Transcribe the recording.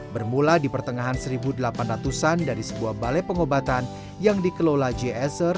bermula di pertengahan seribu delapan ratus an dari sebuah balai pengobatan yang dikelola j eser